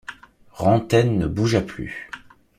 Rantaine ne bougea plus.